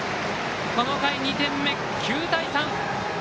この回、２点目、９対３。